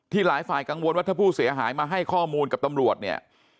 หลายฝ่ายกังวลว่าถ้าผู้เสียหายมาให้ข้อมูลกับตำรวจเนี่ย